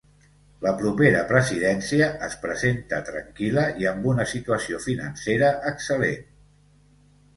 La propera presidència es presenta tranquil·la i amb una situació financera excel·lent.